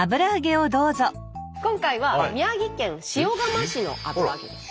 今回は宮城県塩釜市の油揚げです。